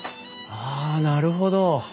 ああなるほど。